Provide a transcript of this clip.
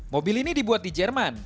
mobil ini dibuat di jerman